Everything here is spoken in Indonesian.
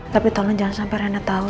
tapi tolong jangan sampai riana tau